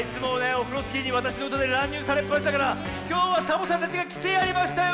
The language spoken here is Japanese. オフロスキーにわたしのうたでらんにゅうされっぱなしだからきょうはサボさんたちがきてやりましたよ！